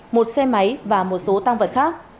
một xe máy và một số tăng vật khác